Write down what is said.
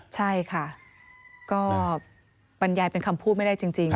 ใช่ค่ะก็บรรยายเป็นคำพูดไม่ได้จริง